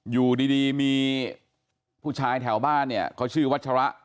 อยู่ดีมีผู้ชายแถวบ้านเนี่ยเขาชื่อวัชระ